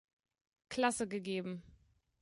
Klasse gegeben.